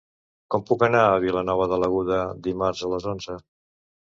Com puc anar a Vilanova de l'Aguda dimarts a les onze?